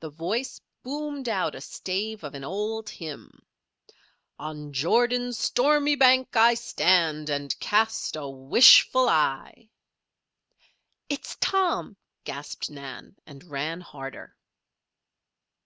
The voice boomed out a stave of an old hymn: "On Jordan's stormy bank I stand, And cast a wishful eye." "It's Tom!" gasped Nan, and ran harder.